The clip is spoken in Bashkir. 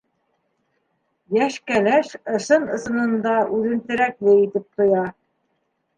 Йәш кәләш ысын-ысынында үҙен терәкле итеп тоя.